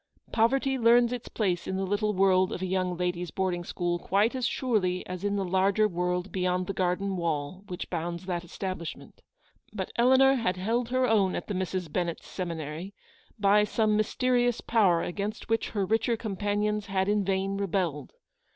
Poverty learns its place in the little world of a young ladies' boarding school quite as surely as in the larger world beyond the garden wall which bounds that establishment. But Eleanor had held her own at the Misses Ben nett's seminary, by some mysterious power against which her richer companions had in vain rebelled.